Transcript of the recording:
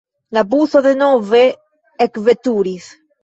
La buso denove ekveturis.